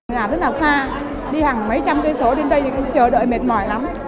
nhà rất là xa đi hàng mấy trăm cây số đến đây chờ đợi mệt mỏi lắm